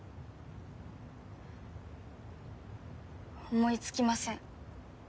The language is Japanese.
思いつきません。